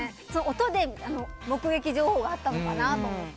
音で目撃情報があったのかなと思って。